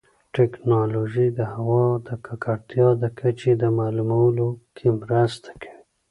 ټیکنالوژي د هوا د ککړتیا د کچې په معلومولو کې مرسته کوي.